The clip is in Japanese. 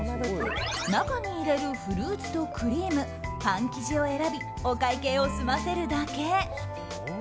中に入れるフルーツとクリームパン生地を選びお会計を済ませるだけ。